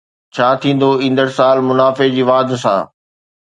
ڇا ٿيندو ايندڙ سال منافعي جي واڌ سان؟